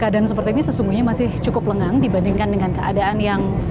keadaan seperti ini sesungguhnya masih cukup lengang dibandingkan dengan keadaan yang